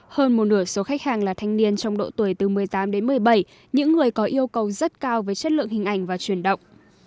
hơn một nửa số khách hàng là thanh niên trong độ tuổi từ một mươi tám đến một mươi bảy những người có yêu cầu rất cao với chất lượng hình ảnh và truyền động